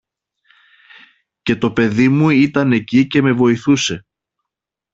Και το παιδί μου ήταν εκεί και με βοηθούσε.